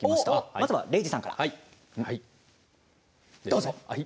まずは礼二さんから。